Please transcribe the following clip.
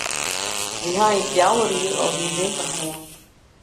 Wy hawwe yn fjouwer jier al gjin winter hân.